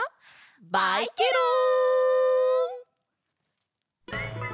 バイケロン！